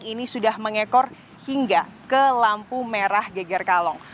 ini sudah mengekor hingga ke lampu merah geger kalong